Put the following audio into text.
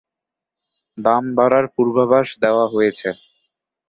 দাম বাড়ার পূর্বাভাস দেওয়া হয়েছে।